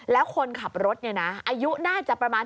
แล้วคนขับรถเนี่ยนะอายุน่าจะประมาณ